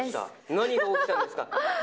何が起きたんですか。